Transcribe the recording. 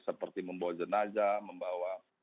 seperti membawa jenazah membawa